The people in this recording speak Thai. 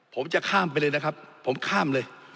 ผมจะข้ามไปเลยนะครับผมข้ามเลย